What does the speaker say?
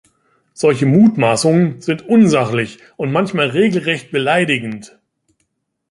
Solche Mutmaßungen sind unsachlich und manchmal regelrecht beleidigend.